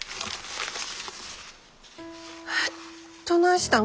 えっどないしたん？